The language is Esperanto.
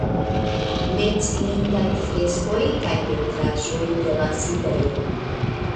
Menciindaj freskoj kaj pentraĵoj de la sidejo.